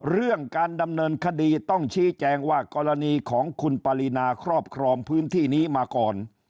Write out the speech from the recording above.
เรื่องการดำเนินคดีต้องชี้แจงว่ากรณีของคุณปรินาครอบครองพื้นที่นี้มาก่อน